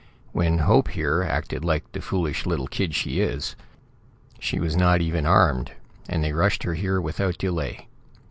"When Hope, here, acted like the foolish little kid she is, she was not even armed, and they rushed her here without delay.